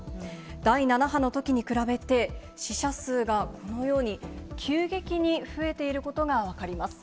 第７波のときに比べて死者数が、このように急激に増えていることが分かります。